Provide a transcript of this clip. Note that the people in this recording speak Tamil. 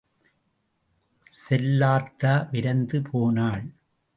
செல்லாத்தா விரைந்து போனாள்.